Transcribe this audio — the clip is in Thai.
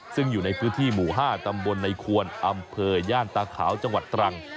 ซึ่งอยู่ในพื้นที่หมู่๕ตำบลในควรอำเภอย่านตาขาวจังหวัดตรัง